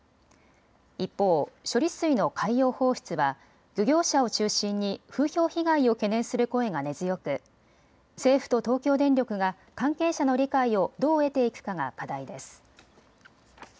一方、処理水の海洋放出は漁業者を中心に風評被害を懸念する声が根強く政府と東京電力が関係者の理解をどう得ていくかが課題です。